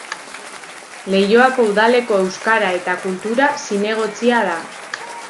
Leioako udaleko Euskara eta Kultura zinegotzia da.